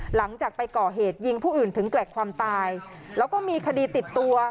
หลังจากไปก่อเหตุยิงผู้อื่นถึงแก่ความตายแล้วก็มีคดีติดตัว